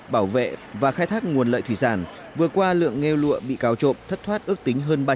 bảo vệ và khai thác nguồn lợi thủy sản vừa qua lượng nghêu lụa bị cao trộm thất thoát ước tính hơn